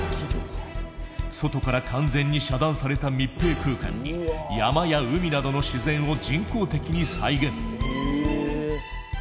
外から完全に遮断された密閉空間に山や海などの自然を人工的に再現。